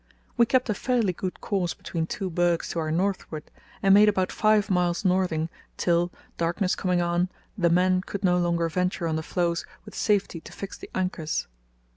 We kept a fairly good course between two bergs to our northward and made about five miles northing till, darkness coming on, the men could no longer venture on the floes with safety to fix the anchors."